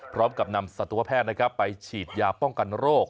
พร้อมกับนำสัตวแพทย์ไปฉีดยาป้องกันโรค